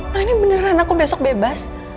nah ini beneran aku besok bebas